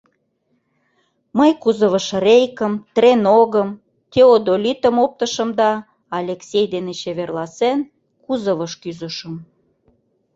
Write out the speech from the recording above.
Мый кузовыш рейкым, треногым, теодолитым оптышым да, Алексей дене чеверласен, кузовыш кӱзышым.